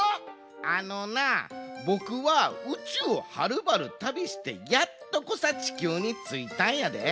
あのなボクはうちゅうをはるばるたびしてやっとこさ地球についたんやで。